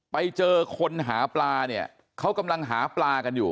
ไปเจอคนหาปลาเนี่ยเขากำลังหาปลากันอยู่